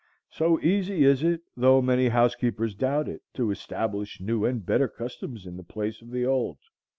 So easy is it, though many housekeepers doubt it, to establish new and better customs in the place of the old.